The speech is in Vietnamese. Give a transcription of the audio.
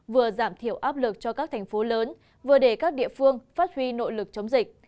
vừa giảm thiểu áp lực cho các thành phố lớn vừa để các địa phương phát huy nội lực chống dịch